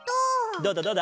どうだどうだ？